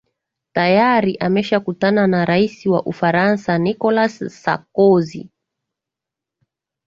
tayari ameshakutana na rais wa ufaransa nicholas sarkozy